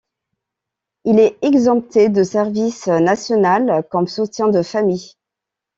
Il est exempté de service national comme soutien de famille.